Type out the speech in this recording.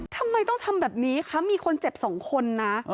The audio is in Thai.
ทำไมต้องทำแบบนี้คะมีคนเจ็บ๒คนนะ